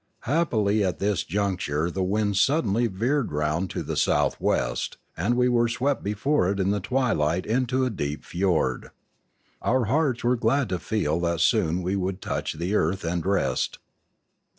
Happily at this juncture the wind sud denly veered round to the south west, and we were swept before it in the twilight into a deep fiord. Our hearts were glad to feel that soon we should touch the earth and rest.